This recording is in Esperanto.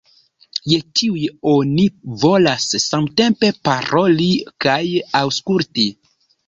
Je tiuj oni volas samtempe paroli kaj aŭskulti.